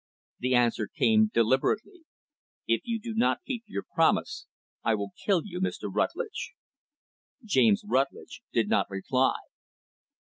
The answer came deliberately; "If you do not keep your promise I will kill you, Mr. Rutlidge." James Rutlidge did not reply.